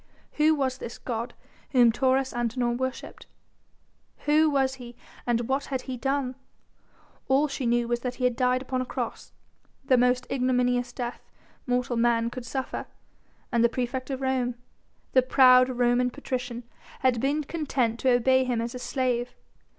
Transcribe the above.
Who was this god whom Taurus Antinor worshipped? Who was he and what had he done? All she knew was that he had died upon a cross, the most ignominious death mortal man could suffer, and the praefect of Rome, the proud Roman patrician, had been content to obey him as a slave.